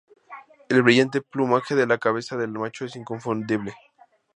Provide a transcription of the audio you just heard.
El brillante plumaje de la cabeza del macho es inconfundible.